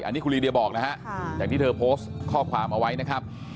อันนี้คุณลีเดียบอกนะฮะอย่างที่เธอโพสต์ข้อความเอาไว้นะครับ